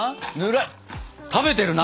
食べてるな！